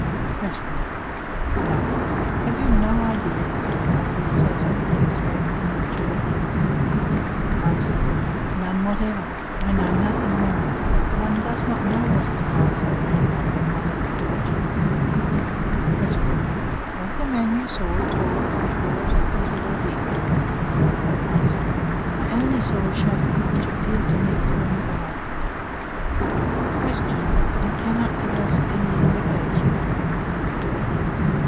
"Q. Nothing? Have you no idea as to how the assassin could escape from your chamber? "A. None whatever I know nothing more. One does not know what is passing around one, when one is unconscious. "Q. Was the man you saw tall or short, little or big? "A. I only saw a shadow which appeared to me formidable. "Q. You cannot give us any indication?